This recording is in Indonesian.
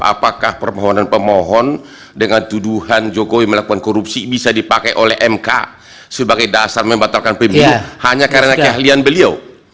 apakah permohonan pemohon dengan tuduhan jokowi melakukan korupsi bisa dipakai oleh mk sebagai dasar membatalkan pemilu hanya karena keahlian beliau